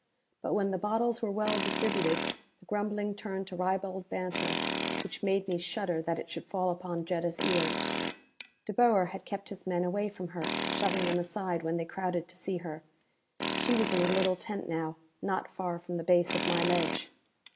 But when the bottles were well distributed the grumbling turned to ribald banter which made me shudder that it should fall upon Jetta's ears. De Boer had kept his men away from her, shoving them aside when they crowded to see her. She was in a little tent now, not far from the base of my ledge.